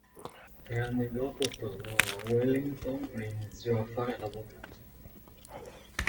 Tre anni dopo tornò a Wellington e iniziò a fare l'avvocato.